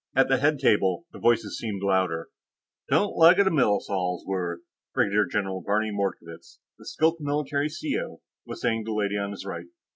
At the head table, the voices seemed louder. "... don't like it a millisol's worth," Brigadier General Barney Mordkovitz, the Skilk military CO, was saying to the lady on his right.